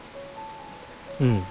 うん。